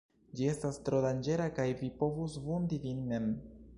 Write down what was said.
Ĝi estas tro danĝera, kaj vi povus vundi vin mem.